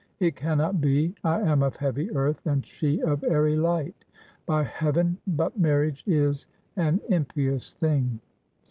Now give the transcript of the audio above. It can not be; I am of heavy earth, and she of airy light. By heaven, but marriage is an impious thing!